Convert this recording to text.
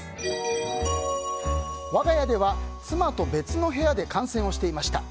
我が家では妻と別の部屋で観戦をしていました。